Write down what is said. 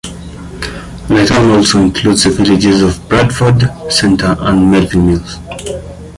The town also includes the villages of Bradford Center and Melvin Mills.